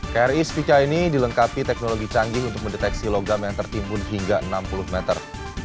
kri spica ini dilengkapi teknologi canggih untuk mendeteksi logam yang tertimbun hingga enam puluh meter